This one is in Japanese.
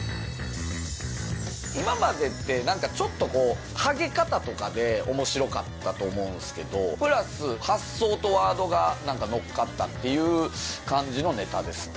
今までって、なんかちょっとこう、ハゲ方とかでおもしろかったと思うんですけど、プラス発想とワードがなんか乗っかったっていう感じのネタですね。